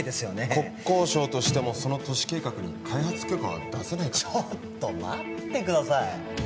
国交省としてもその都市計画に開発許可は出せないちょっと待ってください